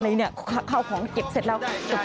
นี่เนี่ยเข้าของเก็บเสร็จแล้ว